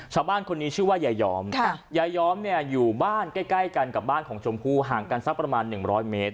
ชาวบ้านคนนี้ชื่อว่ายายอมยายอมเนี่ยอยู่บ้านใกล้กันกับบ้านของชมพู่ห่างกันสักประมาณ๑๐๐เมตร